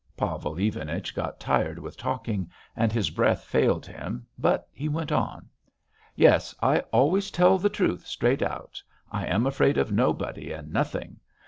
'" Pavel Ivanich got tired with talking, and his breath failed him, but he went on: "Yes. I always tell the truth straight out.... I am afraid of nobody and nothing.